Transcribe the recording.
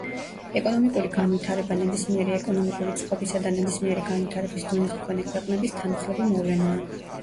ეკონომიკური განვითარება ნებისმიერი ეკონომიკური წყობისა და ნებისმიერი განვითარების დონის მქონე ქვეყნების თანმხლები მოვლენაა.